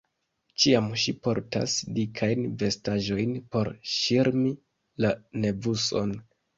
Ĉiam ŝi portas dikajn vestaĵojn por ŝirmi la nevuson.